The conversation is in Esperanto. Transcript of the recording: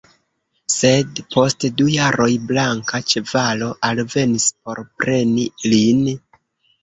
Sed, post du jaroj, blanka ĉevalo alvenis por preni lin.